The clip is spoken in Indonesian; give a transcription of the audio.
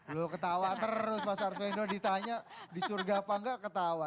loh ketawa terus mas arswendo ditanya di surga apa enggak ketawa